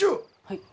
はい。